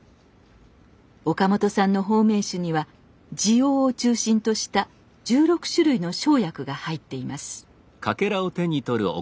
岡本さんの保命酒には地黄を中心とした１６種類の生薬が入っています。